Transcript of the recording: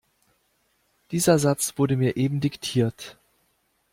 Dieser Satz wurde mir eben diktiert.